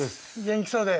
元気そうで。